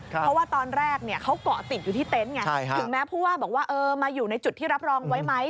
เพราะว่าตอนแรกเขาเกาะติดอยู่ที่เต็นต์ไงถึงแม้ผู้ว่าบอกว่ามาอยู่ในจุดที่รับรองไว้ไหม